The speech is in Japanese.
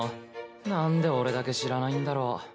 何で俺だけ知らないんだろ。